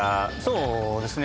そうですね。